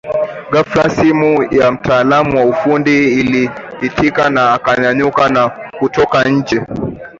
Ghafla simu ya mtaalamu wa ufundi iliita akanyanyuka na kutoka nje